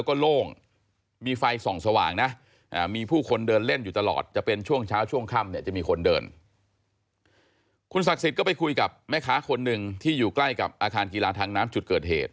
คุณศักดิ์สิทธิ์ก็ไปคุยกับแม่ค้าคนหนึ่งที่อยู่ใกล้กับอาคารกีฬาทางน้ำจุดเกิดเหตุ